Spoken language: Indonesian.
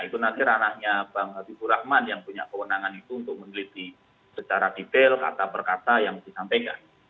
itu nanti ranahnya bang habibur rahman yang punya kewenangan itu untuk meneliti secara detail kata per kata yang disampaikan